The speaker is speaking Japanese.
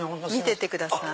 見てってください。